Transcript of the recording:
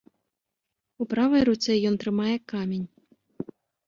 У правай руцэ ён трымае камень.